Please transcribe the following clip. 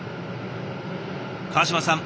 川島さん